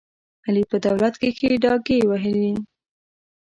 علي په دولت کې ښې ډاکې ووهلې.